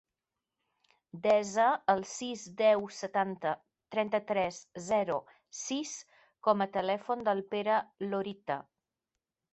Desa el sis, deu, setanta, trenta-tres, zero, sis com a telèfon del Pere Lorite.